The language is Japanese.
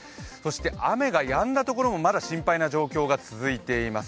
雨がやんだところも、まだ心配な状況が続いています。